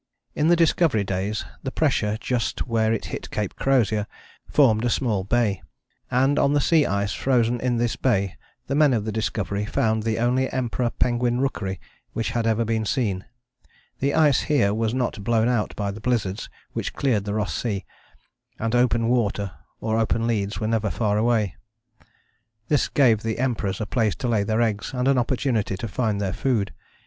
In the Discovery days the pressure just where it hit Cape Crozier formed a small bay, and on the sea ice frozen in this bay the men of the Discovery found the only Emperor penguin rookery which had ever been seen. The ice here was not blown out by the blizzards which cleared the Ross Sea, and open water or open leads were never far away. This gave the Emperors a place to lay their eggs and an opportunity to find their food.